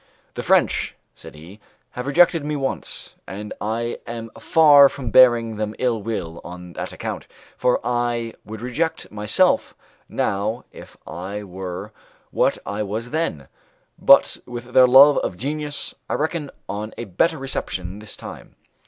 "The French," said he, "have rejected me once, and I am far from bearing them ill will on that account, for I would reject myself now if I were what I was then; but with their love of genius I reckon on a better reception this time."